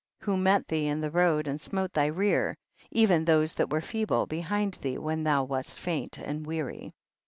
59. Who met thee in the road and smote thy rear, even those that were, feeble behind thee when thou wast faint and weary.